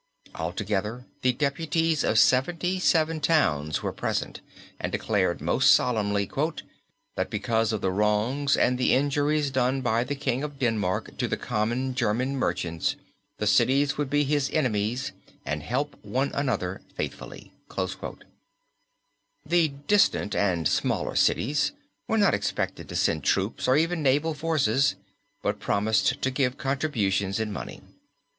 Altogether the deputies of 77 towns were present and declared most solemnly "that because of the wrongs and the injuries done by the King of Denmark to the common German merchant the cities would be his enemies and help one another faithfully." The distant and smaller cities were not expected to send troops or even naval forces but promised to give contributions in money.